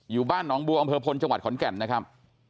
อยู่บ้านหนองบัวอำเภอพลจังหวัดขอนแก่นนะครับ